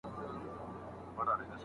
څه به وايي دا مخلوق او عالمونه؟